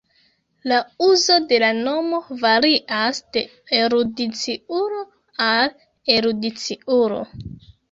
La uzo de la nomo varias de erudiciulo al erudiciulo.